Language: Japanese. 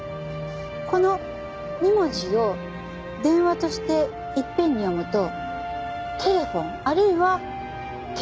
この２文字を「電話」としていっぺんに読むと「テレホン」あるいは「テル」。